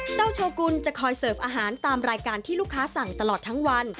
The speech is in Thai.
โชกุลจะคอยเสิร์ฟอาหารตามรายการที่ลูกค้าสั่งตลอดทั้งวัน